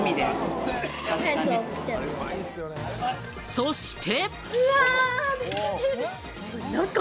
そして。